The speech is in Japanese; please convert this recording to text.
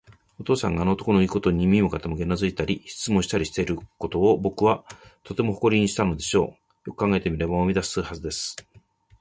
お父さんがあの男のいうことに耳を傾け、うなずいたり、質問したりしていることを、ぼくはとても誇りにしたのでした。よく考えてみれば、思い出すはずです。